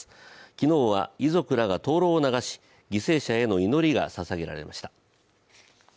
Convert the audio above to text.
昨日は遺族らが灯籠を流し、犠牲者への祈りがささげられました。